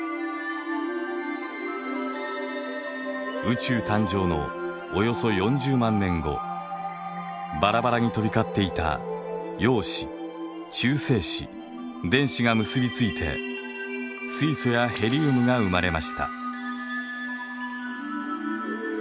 宇宙誕生のおよそ４０万年後バラバラに飛び交っていた陽子中性子電子が結び付いて水素やヘリウムが生まれました。